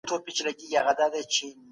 مولده پانګي ته لومړیتوب ورکړئ.